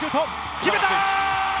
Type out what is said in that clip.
決めた！